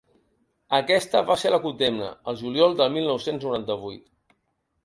Aquesta va ser la condemna, el juliol del mil nou-cents noranta-vuit.